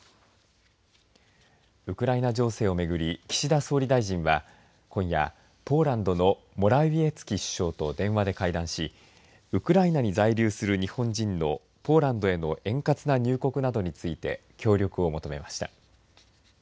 ウクライナ情勢をめぐり岸田総理大臣は今夜、ポーランドのモラウィエツキ首相と電話で会談しウクライナに残留する日本人のポーランドへの円滑な入国などについて協力を求めました。